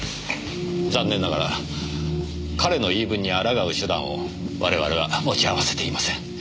残念ながら彼の言い分にあらがう手段を我々は持ち合わせていません。